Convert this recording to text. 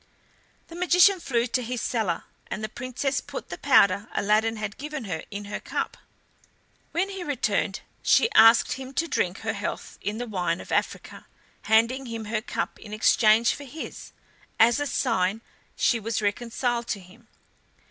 The magician flew to his cellar, and the Princess put the powder Aladdin had given her in her cup. When he returned she asked him to drink her health in the wine of Africa, handing him her cup in exchange for his, as a sign she was reconciled to him.